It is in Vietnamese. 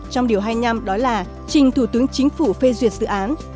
trong điều hay nhằm đó là trình thủ tướng chính phủ phê duyệt dự án